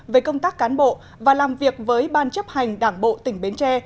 về công tác cán bộ và làm việc với ban chấp hành đảng bộ tỉnh bến tre